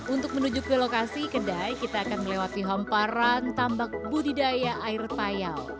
untuk menuju ke lokasi kedai kita akan melewati hamparan tambak budidaya air payau